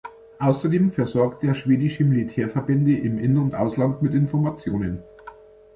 Außerdem versorgt er schwedische Militärverbände im In- und Ausland mit Informationen.